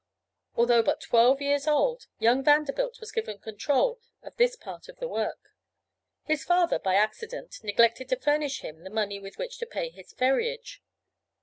Although but twelve years old, young Vanderbilt was given control of this part of the work. His father, by accident, neglected to furnish him the money with which to pay his ferriage.